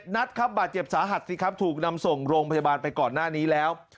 นัดครับบาดเจ็บสาหัสสิครับถูกนำส่งโรงพยาบาลไปก่อนหน้านี้แล้ว